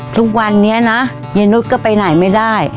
ทุกวันนี้นะยายนุษย์ก็ไปไหนไม่ได้